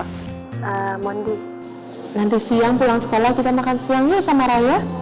nanti siang pulang sekolah kita makan siang yuk sama raya